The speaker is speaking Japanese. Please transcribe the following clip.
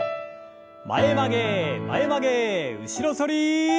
前曲げ前曲げ後ろ反り。